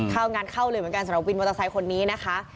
งานเข้าเลยเหมือนกันสำหรับวินมอเตอร์ไซค์คนนี้นะคะ